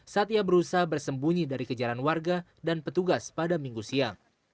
saat ia berusaha bersembunyi dari kejaran warga dan petugas pada minggu siang